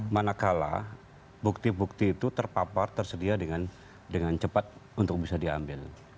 manakala bukti bukti itu terpapar tersedia dengan cepat untuk bisa diambil